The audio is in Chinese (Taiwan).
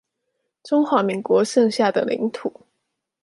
中華民國剩下的領土